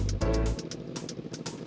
jangan meli meli loh